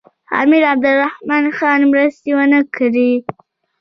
امیر عبدالرحمن خان مرستې ونه کړې.